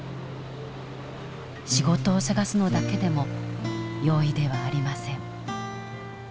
仕事を探すのだけでも容易ではありません。